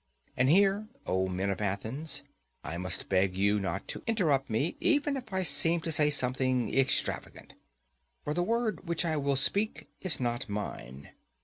And here, O men of Athens, I must beg you not to interrupt me, even if I seem to say something extravagant. For the word which I will speak is not mine.